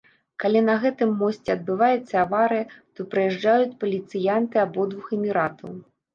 Калі на гэтым мосце адбываецца аварыя, то прыязджаюць паліцыянты абодвух эміратаў.